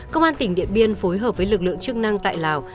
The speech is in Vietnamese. công an tỉnh điện biên phối hợp với lực lượng chức năng tại lào